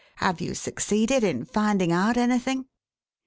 Have you succeeded in finding out anything?"